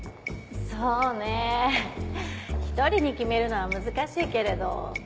そうねぇ１人に決めるのは難しいけれど。